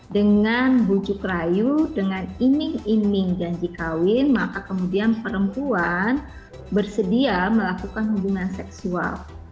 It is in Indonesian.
dengan bujuk rayu dengan iming iming janji kawin maka kemudian perempuan bersedia melakukan hubungan seksual